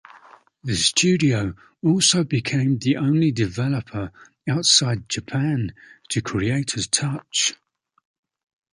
The studio also became the only developer outside Japan to create a Touch!